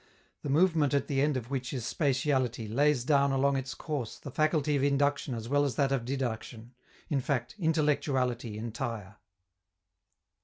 The movement at the end of which is spatiality lays down along its course the faculty of induction as well as that of deduction, in fact, intellectuality entire.